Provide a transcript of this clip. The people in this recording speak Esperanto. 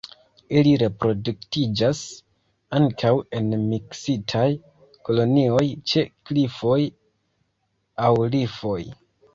Ili reproduktiĝas ankaŭ en miksitaj kolonioj ĉe klifoj aŭ rifoj.